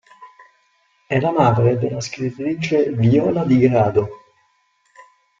È la madre della scrittrice Viola Di Grado.